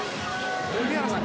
栗原さん